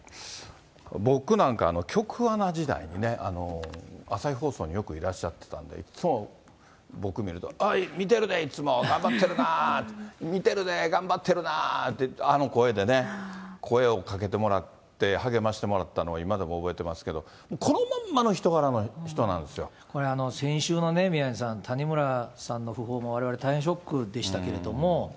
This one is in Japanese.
僕なんか局アナ時代にね、朝日放送によくいらっしゃってたんで、いっつも僕見ると、あっ、見てるで、いつも、頑張ってるな、見てるで、頑張ってるなって、あの声でね、声をかけてもらって、励ましてもらったのが今でも覚えてますけど、先週のね、宮根さん、谷村さんの訃報も、われわれ大変ショックでしたけども。